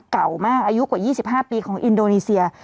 เก่ามากอายุกว่า๒๕ปีของอินโดนีเซีย